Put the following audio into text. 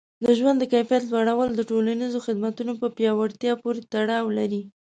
د ژوند د کیفیت لوړول د ټولنیزو خدمتونو په پیاوړتیا پورې تړاو لري.